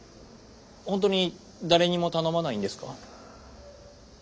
ほんとに誰にも頼まないんですか？